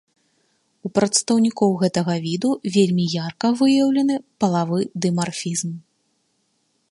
У прадстаўнікоў гэтага віду вельмі ярка выяўлены палавы дымарфізм.